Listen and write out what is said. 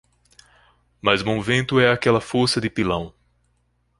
Mais bom vento é aquela força de pilão.